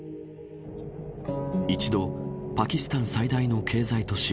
一度、パキスタン最大の経済都市